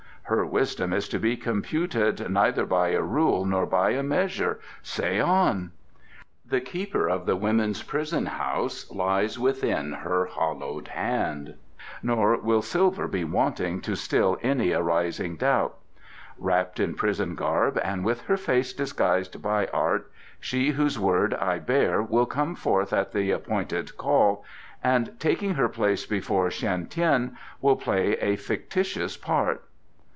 "Her wisdom is to be computed neither by a rule nor by a measure. Say on." "The keeper of the women's prison house lies within her hollowed hand, nor will silver be wanting to still any arising doubt. Wrapped in prison garb, and with her face disguised by art, she whose word I bear will come forth at the appointed call and, taking her place before Shan Tien, will play a fictitious part."